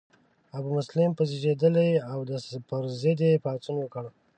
ابومسلم په زیږیدلی او د پر ضد یې پاڅون وکړ.